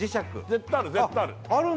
絶対ある